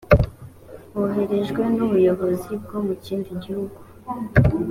woherejwe n ubuyobozi bwo mu kindi gihugu